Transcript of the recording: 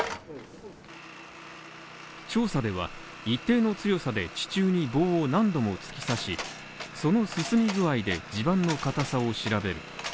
調査では、一定の強さで地中に棒を何度も突き刺し、その進み具合で、地盤の硬さを調べる。